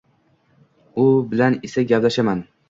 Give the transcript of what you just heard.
U bilan esa gaplashaman.